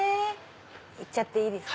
行っちゃっていいですか？